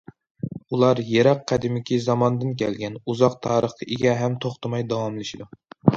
ئۇلار يىراق قەدىمكى زاماندىن كەلگەن، ئۇزاق تارىخقا ئىگە ھەم توختىماي داۋاملىشىدۇ.